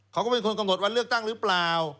เขาก็เป็นคนกำหนดวันเลือกตั้งหรือเปล่า